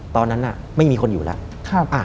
ตอนนั้นไม่มีคนอยู่แล้ว